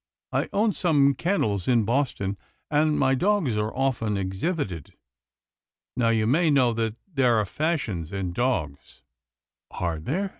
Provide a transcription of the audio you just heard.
I own some kennels in Boston, and my dogs are often exhibited. Now you may know that there are fashions in dogs." " Are there?